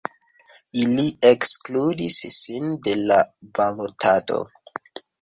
Ili ekskludis sin de la balotado.